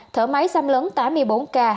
thở máy xăm lớn tám mươi bốn ca